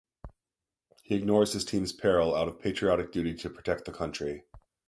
He ignores his team's peril out of patriotic duty to protect the country.